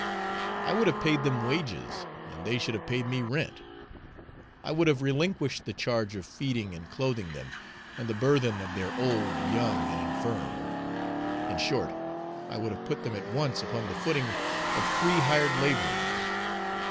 I would have paid them wages, and they should have paid me rent. I would have relinquished the charge of feeding and clothing them, and the burthen of their old, young, and infirm; in short, I would have put them at once upon the footing of free hired labourers.